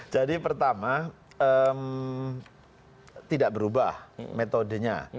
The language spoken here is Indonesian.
jadi pertama tidak berubah metodenya